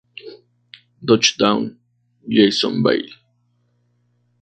Touchdown Jacksonville!